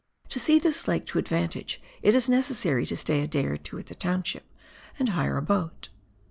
To see this lake to advantage it is necessary to stay a day or two at the township and hire a boat.